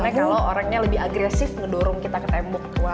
sebenarnya kalau orangnya lebih agresif ngedorong kita ke tembok tua